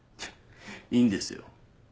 いいんですよ。